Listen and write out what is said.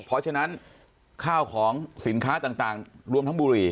เพราะฉะนั้นข้าวของสินค้าต่างรวมทั้งบุหรี่